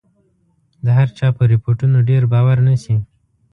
د هرچا په رپوټونو ډېر باور نه شي.